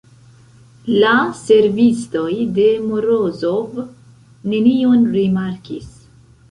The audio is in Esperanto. La servistoj de Morozov nenion rimarkis.